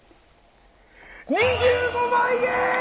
２５万円！